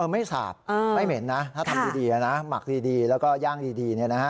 ไม่สาบไม่เหม็นนะถ้าทำดีนะหมักดีแล้วก็ย่างดี